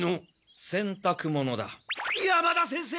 山田先生！